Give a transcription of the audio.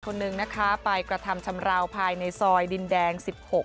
คนนึงนะคะไปกระทำชำราวภายในซอยดินแดง๑๖